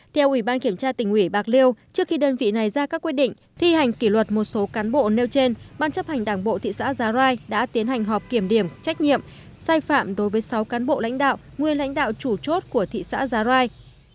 theo ủy ban kiểm tra tỉnh ủy bạc liêu trước khi đơn vị này ra các quyết định thi hành kỷ luật một số cán bộ nêu trên ban chấp hành đảng bộ thị xã giá rai đã tiến hành họp kiểm điểm trách nhiệm sai phạm đối với sáu cán bộ lãnh đạo nguyên lãnh đạo chủ chốt của thị xã giá rai